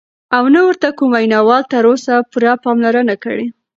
او نه ورته کوم وینا وال تر اوسه پوره پاملرنه کړې،